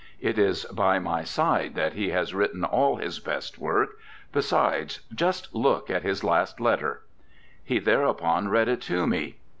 It is by my side that he has written all his best work. Besides, just look at his last letter.' He thereupon read it to me.